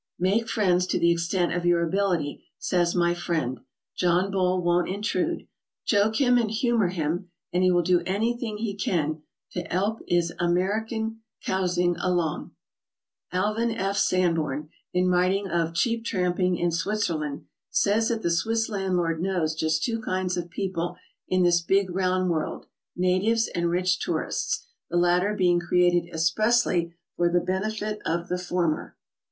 "Make friends to the extent of your ability," says my friend. John Bull won't intrude. Joke him and humor him and he will do anything he can to 'elp 'is Hamerican cousing along." Alvan F. Sanborn, in writing of "Cheap Tramping in Switzerland," says that the Swiss landlord knows just two kinds of people in this big, round world, — natives and rich tourists, the latter being created expressly for the benefit of the former.